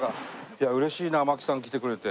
いや嬉しいな槙さん来てくれて。